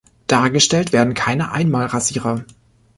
Dargestellt werden keine Einmal-Rasierer.